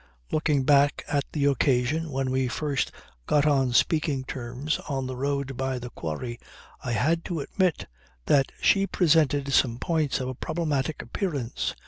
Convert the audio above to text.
Looking back at the occasion when we first got on speaking terms on the road by the quarry, I had to admit that she presented some points of a problematic appearance.